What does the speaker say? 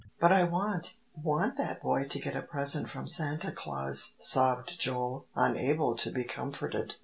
"But I want want that boy to get a present from Santa Claus," sobbed Joel, unable to be comforted.